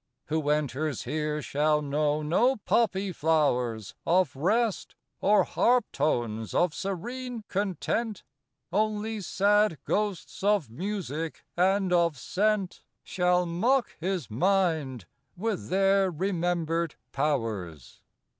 Who enters here shall know no poppy flowers Of Rest, or harp tones of serene Content; Only sad ghosts of music and of scent Shall mock his mind with their remembered powers.